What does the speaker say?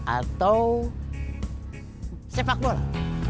atau sepak bola